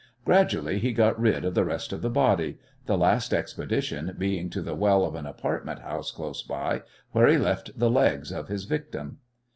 Gradually he got rid of the rest of the body, the last expedition being to the well of an apartment house close by, where he left the legs of his victim.